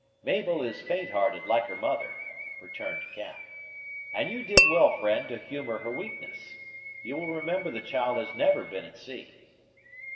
"Mabel is faint hearted, like her mother," returned Cap; "and you did well, friend, to humor her weakness. You will remember the child has never been at sea."